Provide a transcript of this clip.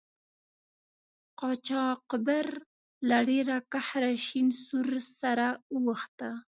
قاچاقبر له ډیره قهره شین سور سره اوښته.